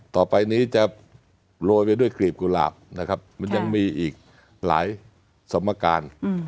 ต่อไปนี้จะโรยไปด้วยกลีบกุหลาบนะครับมันยังมีอีกหลายสมการ